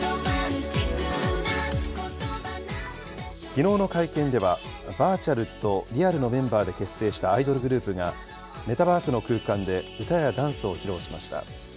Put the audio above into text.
きのうの会見では、バーチャルとリアルのメンバーで結成したアイドルグループが、メタバースの空間で歌やダンスを披露しました。